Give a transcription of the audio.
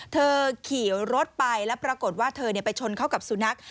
ขี่รถไปแล้วปรากฏว่าเธอไปชนเข้ากับสุนัข